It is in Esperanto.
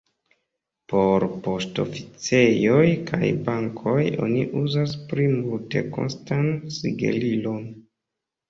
Por poŝtoficejoj kaj bankoj oni uzas pli multekostan sigelilon.